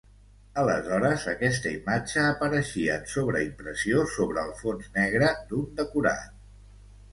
Aleshores, aquesta imatge apareixia en sobreimpressió sobre el fons negre d'un decorat.